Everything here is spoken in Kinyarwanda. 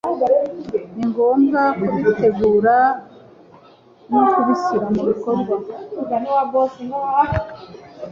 ni ngombwa kubitegura no kubishyira mu bikorwa